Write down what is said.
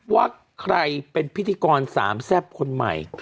ว่าใครเป็นพิธีกรสามแซ่บคนใหม่